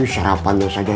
sarapan ya saja